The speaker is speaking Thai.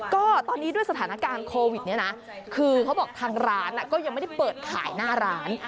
ก็ตอนนี้ด้วยสถานการณ์โควิดเนี่ยนะคือเขาบอกทางร้านก็ยังไม่ได้เปิดขายหน้าร้าน